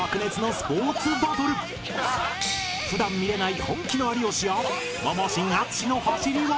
普段見れない本気の有吉やモモ神淳の走りは